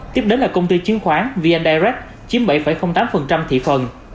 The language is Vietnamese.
tiếp đến là công ty chứng khoán vn direct chiếm bảy tám thị phần